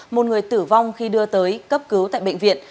một người tử vong khi đưa tới cấp cứu tại bệnh viện